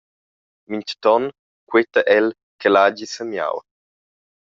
Mintgaton queta el ch’el hagi semiau.